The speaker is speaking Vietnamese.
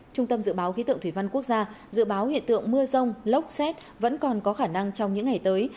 trung tâm dự báo khí tượng thủy văn quốc gia dự báo hiện tượng mưa rông lốc xét vẫn còn có khả năng trong những ngày tới